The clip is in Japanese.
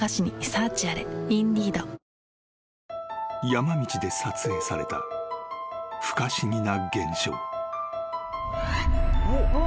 ［山道で撮影された不可思議な現象］